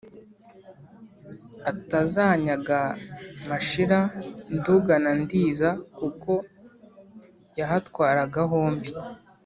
atazanyaga mashira nduga na ndiza kuko yahatwaraga hombi.